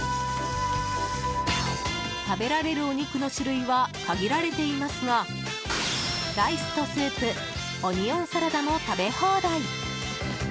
食べられるお肉の種類は限られていますがライスとスープオニオンサラダも食べ放題。